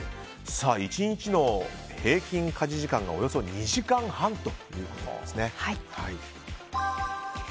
１日の平均家事時間がおよそ２時間半ということですね。